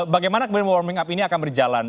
bagaimana kemudian warming up ini akan berjalan